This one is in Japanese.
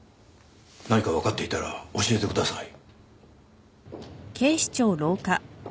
何かわかっていたら教えてください。